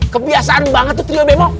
kebiasaan banget itu trio bemo